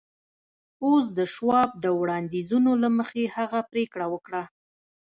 اوس د شواب د وړانديزونو له مخې هغه پرېکړه وکړه.